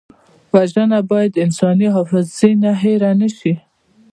وژنه باید د انساني حافظې نه هېره نه شي